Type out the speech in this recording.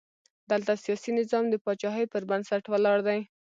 دلته سیاسي نظام د پاچاهۍ پر بنسټ ولاړ دی.